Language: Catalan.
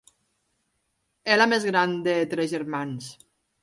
És la més gran de tres germans.